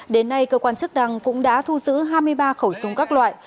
đến nay cơ quan chức năng cũng đã thu giữ hai mươi ba khẩu súng các loại